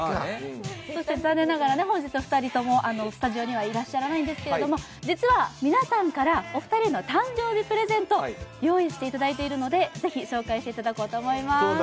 残念ながら本日、お二人ともスタジオにはいらっしゃらないんですが実は皆さんからお二人の誕生日プレゼントを用意していただいているので是非紹介していただこうと思います。